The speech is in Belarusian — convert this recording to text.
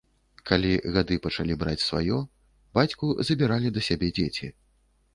Калі гады пачалі браць сваё, бацьку забіралі да сябе дзеці.